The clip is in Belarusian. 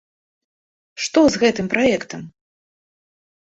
Што з гэтым праектам?